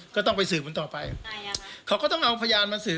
ก็ต้องไปสืบมันต่อไปเขาก็ต้องเอาพยานมาสืบ